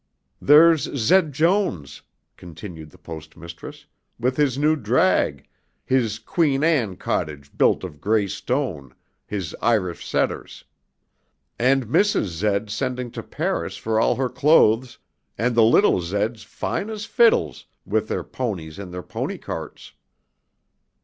"There's Zed Jones," continued the Post Mistress, "with his new drag, his Queen Anne cottage built of gray stone, his Irish setters. And Mrs. Zed sending to Paris for all her clothes, and the little Zeds fine as fiddles with their ponies and their pony carts."